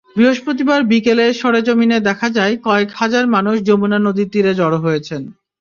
বৃহস্পতিবার বিকেলে সরেজমিনে দেখা যায়, কয়েক হাজার মানুষ যমুনা নদীর তীরে জড়ো হয়েছেন।